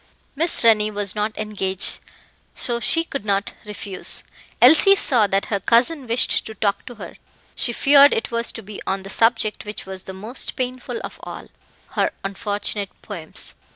Miss Rennie was not engaged, so she could not refuse. Elsie saw that her cousin wished to talk to her; she feared it was to be on the subject which was the most painful of all her unfortunate poems.